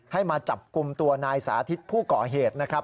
ให้มาจับกลุ่มตัวนายสาธิตผู้ก่อเหตุนะครับ